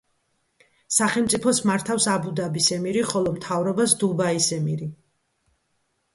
სახელმწიფოს მართავს აბუ-დაბის ემირი, ხოლო მთავრობას დუბაის ემირი.